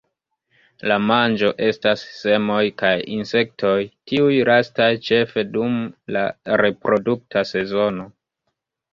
La manĝo estas semoj kaj insektoj, tiuj lastaj ĉefe dum la reprodukta sezono.